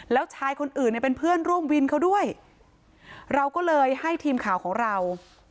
แล้วชายคนอื่นเนี่ยเป็นเพื่อนร่วมวินเขาด้วยเราก็เลยให้ทีมข่าวของเรา